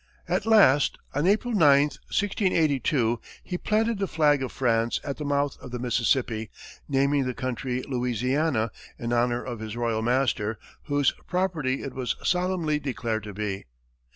At last, on April 9, 1682, he planted the flag of France at the mouth of the Mississippi, naming the country Louisiana in honor of his royal master, whose property it was solemnly declared to be.